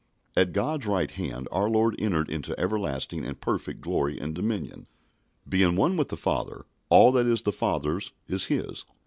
At God's right hand our Lord entered into everlasting and perfect glory and dominion. Being one with the Father, all that is the Father's is His.